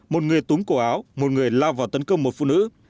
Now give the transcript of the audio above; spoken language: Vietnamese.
một người túm cổ áo một người lao vào tấn công một phụ nữ